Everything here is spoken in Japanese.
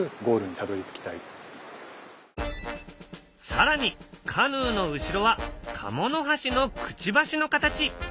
更にカヌーの後ろはカモノハシのくちばしの形！